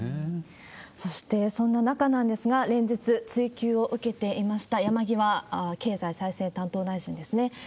そして、そんな中なんですが、連日、追及を受けていました山際経済再生担当大臣ですね。